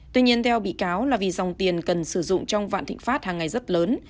tuy nhiên theo bị cáo là vì dòng tiền cần sử dụng trong vạn thịnh pháp hàng ngày rất lớn